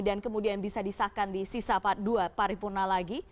dan kemudian bisa disahkan di sisa dua pari purna lagi